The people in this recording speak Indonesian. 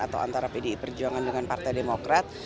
atau antara pdi perjuangan dengan partai demokrat